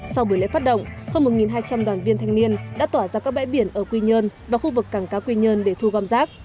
sau buổi lễ phát động hơn một hai trăm linh đoàn viên thanh niên đã tỏa ra các bãi biển ở quy nhơn và khu vực cảng cá quy nhơn để thu gom rác